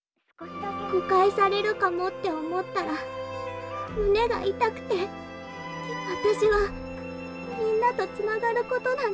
誤解されるかもって思ったら胸が痛くて私はみんなとつながることなんてできないよ。